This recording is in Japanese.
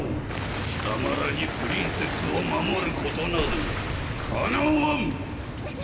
貴様らにプリンセスを守ることなどかなわん！